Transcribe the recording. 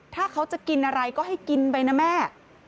ถ้าเขาจะกินอะไรก็ให้กินไปนะแม่